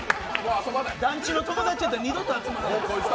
団地の友達やったら、二度と集まらない。